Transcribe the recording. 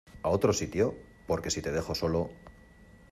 a otro sitio? porque si te dejo solo